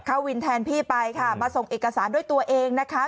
วินแทนพี่ไปค่ะมาส่งเอกสารด้วยตัวเองนะคะ